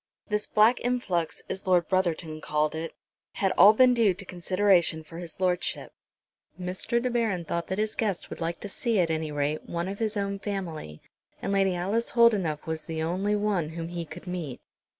This black influx, as Lord Brotherton called it, had all been due to consideration for his Lordship. Mr. De Baron thought that his guest would like to see, at any rate, one of his own family, and Lady Alice Holdenough was the only one whom he could meet.